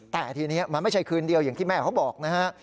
แต่ทีนี้มันไม่ใช่คืนเดียวอย่างที่แม่เขาบอกนะฮะ